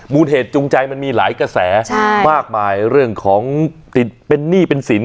เหตุจูงใจมันมีหลายกระแสมากมายเรื่องของติดเป็นหนี้เป็นสิน